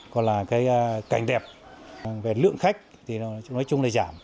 còn là cái cảnh đẹp về lượng khách thì nói chung là giảm